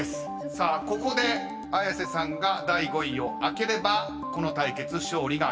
［さあここで綾瀬さんが第５位を開ければこの対決勝利が決まります。